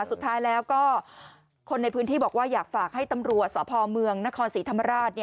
สุดท้ายแล้วก็คนในพื้นที่บอกว่าอยากฝากให้ตำรวจสพเมืองนครศรีธรรมราช